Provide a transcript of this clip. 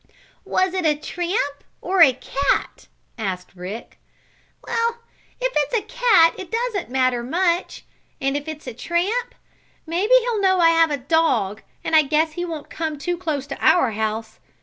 "Was it a tramp or a cat?" asked Rick. "Well, if it's a cat it doesn't much matter. And if it's a tramp, maybe he'll know I have a dog, and I guess he won't come too close to our house.